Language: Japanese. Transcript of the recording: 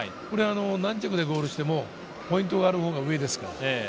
何着でゴールしてもポイントがあるほうが上ですから。